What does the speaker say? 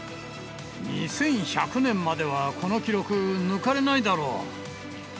２１００年までは、この記録、抜かれないだろう。